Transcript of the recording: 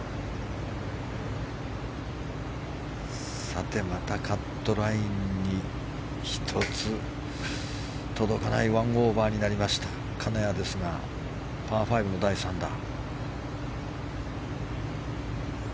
さて、またカットラインに１つ届かない１オーバーになった金谷ですが、パー５の第３打。